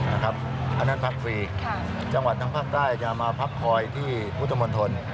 อันนั้นพักฟรีจังหวัดทางภาคใต้จะมาพักคอยที่พุทธมนตร